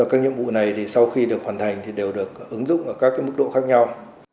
các nhiệm vụ này sau khi được hoàn thành đều được ứng dụng ở các mức độ khác nhau